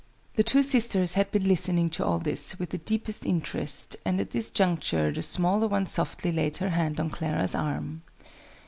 The two sisters had been listening to all this with the deepest interest, and at this juncture the smaller one softly laid her hand on Clara's arm.